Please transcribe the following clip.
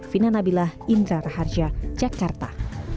fina nabilah indra raharja jakarta